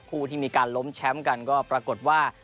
ที่มีการล้มแชมป์กันก็ปรากฏว่า